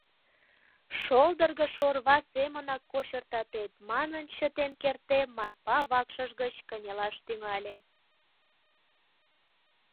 Шолдыргышо орва семынак кочыртатет, — манын, чытен кертде, Марпа вакшыш гыч кынелаш тӱҥале.